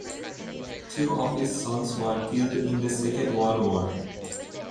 Two of his sons were killed in the Second World War.